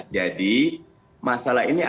jadi masalah ini akan berubah